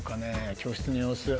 教室の様子